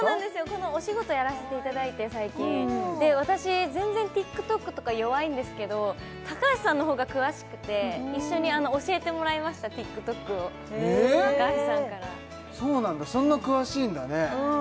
このお仕事やらせていただいて最近私全然ＴｉｋＴｏｋとか弱いんですけど高橋さんの方が詳しくて一緒に教えてもらいましたＴｉｋＴｏｋを高橋さんからそうなんだそんな詳しいんだね